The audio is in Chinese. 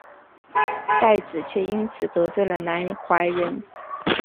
戴梓却因此得罪了南怀仁。